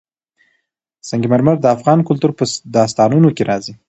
سنگ مرمر د افغان کلتور په داستانونو کې راځي.